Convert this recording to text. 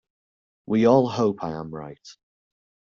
We all hope I am right.